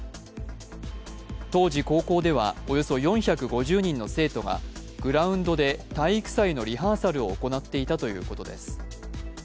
当時、高校ではおよそ４５０人の生徒がグラウンドで体育祭のリハーサルを行っていたということです。